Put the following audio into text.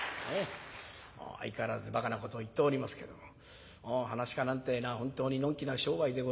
相変わらずバカなことを言っておりますけどももう噺家なんてえのは本当にのんきな商売でございます。